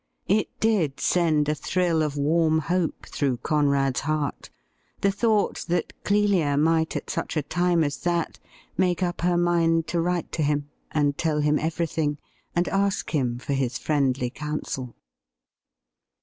It did send a thrill of warm hope through Conrad's heart — ^the thought that Clelia might at such a time as that make up her mind to write to him and tell him everything, and ask him for his friendly counsel.